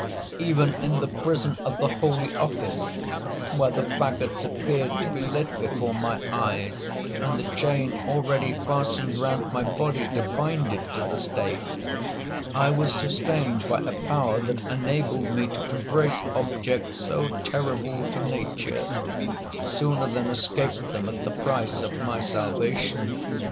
Even in the prison of the holy office, where the faggots appeared to be lit before my eyes, and the chain already fastened round my body to bind it to the stake, I was sustained by a power that enabled me to embrace objects so terrible to nature, sooner than escape them at the price of my salvation.